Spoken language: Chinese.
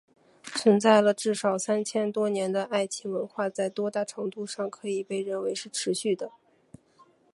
存在了至少三千多年的爱琴文明在多大程度上可以被认为是持续的？